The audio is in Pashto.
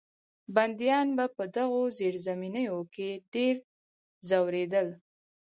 بندیان به په دغو زیرزمینیو کې ډېر ځورېدل.